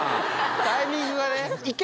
タイミングがね。